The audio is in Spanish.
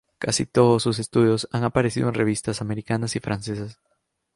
Casi todos sus estudios han aparecido en revistas americanas y francesas.